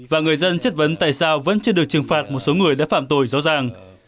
và người dân chất vấn tại sao vẫn chưa được trừng phạt một số người đã phạm tội rõ ràng